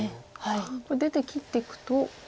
これ出て切っていくと。